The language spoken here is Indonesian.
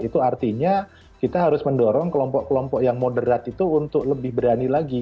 itu artinya kita harus mendorong kelompok kelompok yang moderat itu untuk lebih berani lagi